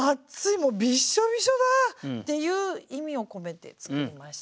びしょびしょだ！っていう意味を込めて作りました。